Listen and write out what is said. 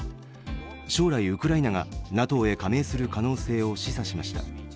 将来、ウクライナがＮＡＴＯへ加盟する可能性を示唆しました。